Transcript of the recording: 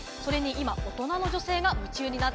今、大人の女性が夢中に。